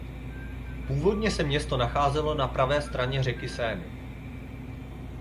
Původně se město nacházelo na pravé straně řeky Seiny.